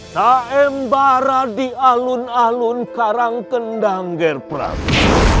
saem baradi alun alun karang kendam ger pradu